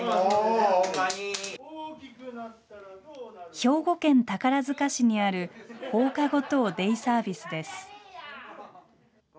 兵庫県宝塚市にある放課後等デイサービスです。